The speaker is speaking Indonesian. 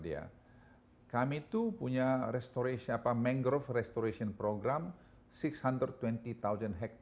diuk listinkan dia bahwa semogaaram zaun yang ada di tingkat ipoh dan eropa kalian dari segala tempat